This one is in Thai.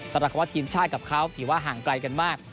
สำหรับคำว่าทีมชาติกับเขาถือว่าห่างไกลกันมาก